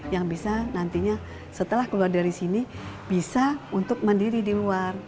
yang bisa nantinya setelah keluar dari sini bisa untuk mandiri di luar